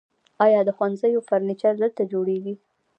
آیا د ښوونځیو فرنیچر دلته جوړیږي؟